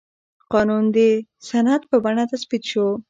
قانون د سند په بڼه تثبیت شو.